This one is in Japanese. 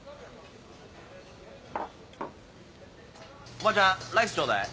おばちゃんライスちょうだい。